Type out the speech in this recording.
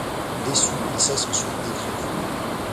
Déçu, il cesse ensuite d'écrire.